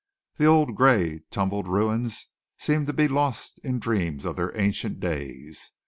The old gray tumbled ruins seemed to be lost in dreams of their ancient days.